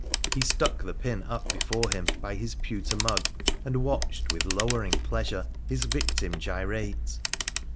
He stuck the pin up before him, by his pewter mug, and watched with lowering pleasure his victim gyrate.